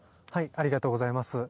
ありがとうございます。